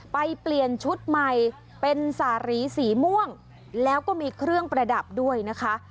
เปลี่ยนชุดใหม่เป็นสารีสีม่วงแล้วก็มีเครื่องประดับด้วยนะคะ